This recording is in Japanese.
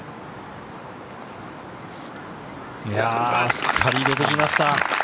しっかり入れてきました。